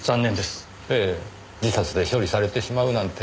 ええ自殺で処理されてしまうなんて。